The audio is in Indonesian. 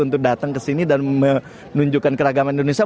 untuk datang kesini dan menunjukkan keragaman indonesia